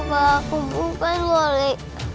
kalau aku bukan oleh